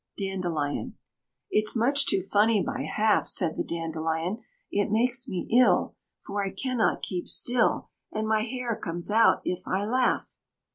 DANDELION. "It's much too funny by half," Said the Dandelion; "it makes me ill, For I cannot keep still, And my hair comes out if I laugh."